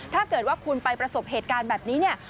ถ้าเกิดว่าคุณไปประสบเหตุการณ์แบบนี้เนี่ย